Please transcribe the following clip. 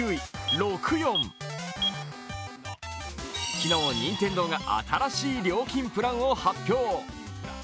昨日、任天堂が新しい料金プランを発表。